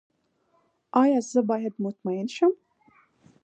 ایا زه باید مطمئن شم؟